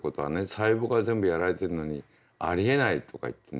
細胞が全部やられてるのにありえない」とか言ってね。